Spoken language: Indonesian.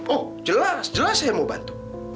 oh jelas jelas saya mau bantu